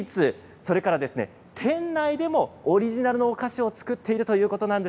それから店内でもオリジナルのお菓子を作っているということです。